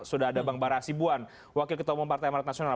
sudah ada bang bara asibuan wakil ketua umum partai amarat nasional